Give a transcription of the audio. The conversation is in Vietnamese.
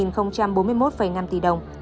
phạt tiền gần hai bốn mươi một năm tỷ đồng